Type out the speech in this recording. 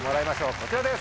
こちらです。